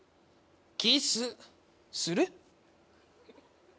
キスする？